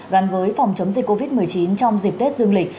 gắn với phòng chống dịch covid một mươi chín trong dịp tết dương lịch